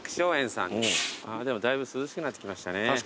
でもだいぶ涼しくなってきましたね。